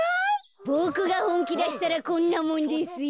ボクがほんきだしたらこんなもんですよ。